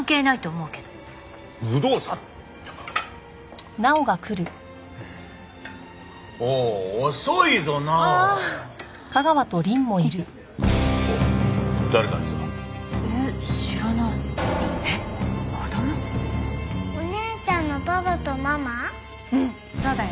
うんそうだよ。